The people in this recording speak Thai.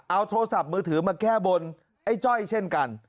เอาโทรศัพท์มือถือมาแก้บนไอ้จ้อยเช่นกัน